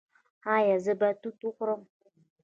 ایا زه باید توت وخورم؟